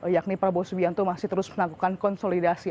yakni prabowo subianto masih terus melakukan konsolidasi